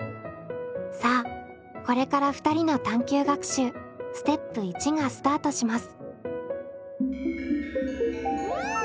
さあこれから２人の探究学習ステップ１がスタートします。